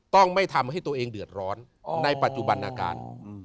ต้องไม่ทำให้ตัวเองเดือดร้อนในปัจจุบันอาการ